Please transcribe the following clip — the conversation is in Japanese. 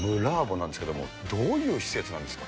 なんですけれども、どういう施設なんですか。